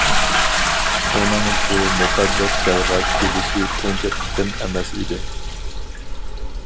ئۇنىڭ بۇ مۇقەددەس جايغا كېلىشى تۇنجى قېتىم ئەمەس ئىدى.